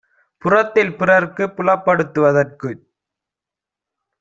புறத்தில் பிறர்க்குப் புலப்படுத் துதற்குச்